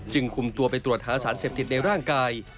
คุมตัวไปตรวจหาสารเสพติดในร่างกาย